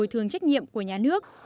bồi thường trách nhiệm của nhà nước